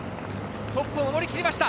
トップを守りきりました！